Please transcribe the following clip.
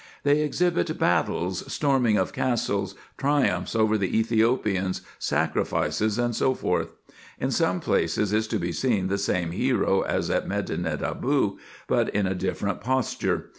They exhibit battles, storming of castles, triumphs over the Ethiopians, sacrifices, &c. In some places is to be seen the same hero as at Medinet Aboo, but in a different posture.